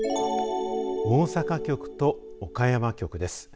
大阪局と岡山局です。